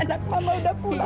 anak mama udah pulang